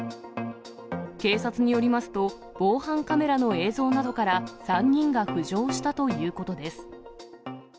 警察によりますと、防犯カメラの映像などから３人が浮上したということです。